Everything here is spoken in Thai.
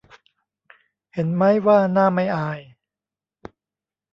เห็นมั๊ยว่าหน้าไม่อาย